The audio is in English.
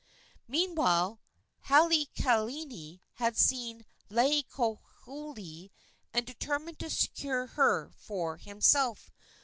Meanwhile, Halaaniani had seen Laielohelohe, and determined to secure her for himself.